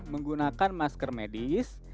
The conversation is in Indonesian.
menggunakan masker medis